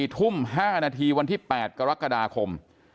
๔ทุ่ม๕นาทีวันที่๘กรกฎาคม